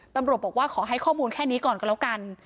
ตำรวจบอกว่าขอให้ข้อมูลแค่นี้ก่อนก็แล้วกัน